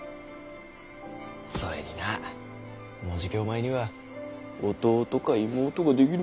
それになもうじきお前には弟か妹が出来る。